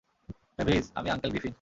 Mavis, আমি uncle Griffin.